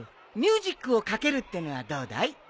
ミュージックをかけるってのはどうだい？